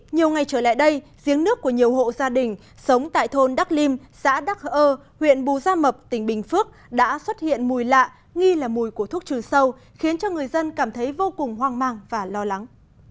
nhiều ngày trở lại đây giếng nước của nhiều hộ gia đình sống tại thôn đắc lim xã đắc ơ huyện bù gia mập tỉnh bình phước đã xuất hiện mùi lạ nghi là mùi của thuốc trừ sâu khiến cho người dân cảm thấy vô cùng hoang mang và lo lắng